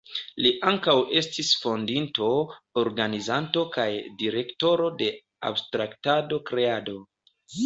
Li ankaŭ estis fondinto, organizanto kaj direktoro de Abstraktado-Kreado.